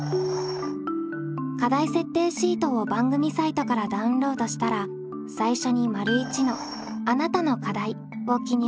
課題設定シートを番組サイトからダウンロードしたら最初に①の「あなたの課題」を記入します。